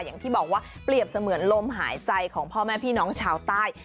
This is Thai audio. อย่างที่บอกว่าเปรียบเสมือนลมหายใจของพ่อแม่พี่น้องชาวใต้